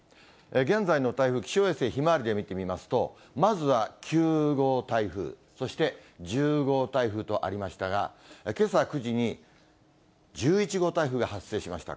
現在の台風、気象衛星ひまわりで見てみますと、まずは９号台風、そして１０号台風とありましたが、けさ９時に１１号台風が発生しました。